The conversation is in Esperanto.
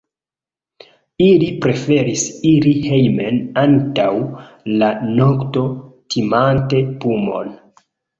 Ili preferis iri hejmen antaŭ la nokto, timante pumon.